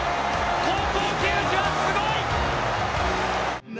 高校球児はすごい！